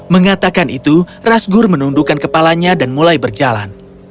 mengatakan itu rasgur menundukkan kepalanya dan mulai berjalan